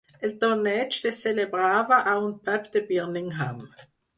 El torneig se celebrava a un pub de Birmingham.